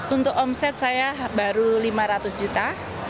untuk omset saya baru lima ratus juta